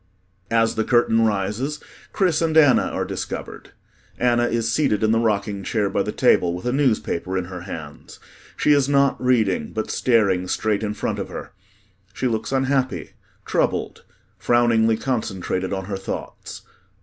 As the curtain rises, CHRIS and ANNA are discovered. ANNA is seated in the rocking chair by the table, with a newspaper in her hands. She is not reading but staring straight in front of her. She looks unhappy, troubled, frowningly concentrated on her thoughts.